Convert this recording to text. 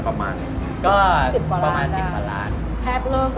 ภาพเริ่มเถอะเลยนะ